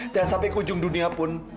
dan sampai ke ujung dunia pun